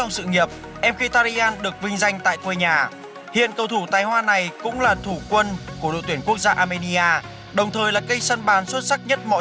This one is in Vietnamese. xin chào và hẹn gặp lại trong các video tiếp theo